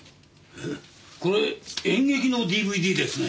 これ演劇のＤＶＤですね。